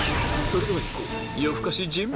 それでは行こう！